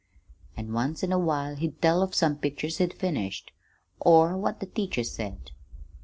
An' once in a while he'd tell of some picture he'd finished, or what the teacher said.